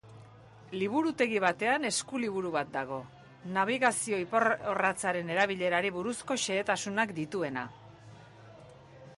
Liburutegi batean eskuliburu bat dago, nabigazio-iparrorratzaren erabilerari buruzko xehetasunak dituena.